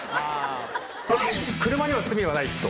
車には罪はないと。